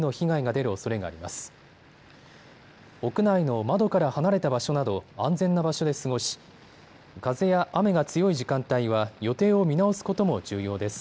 屋内の窓から離れた場所など安全な場所で過ごし風や雨が強い時間帯は予定を見直すことも重要です。